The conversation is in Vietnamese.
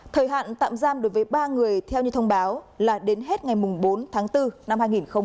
thời hạn tạm giam đối với ba người theo như thông báo là đến hết ngày bốn tháng bốn năm hai nghìn hai mươi